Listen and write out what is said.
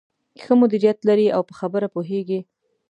ښه مديريت لري او په خبره پوهېږې.